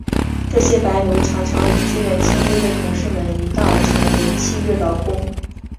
这些白奴常常与自愿签约的同事们一道成为契约劳工。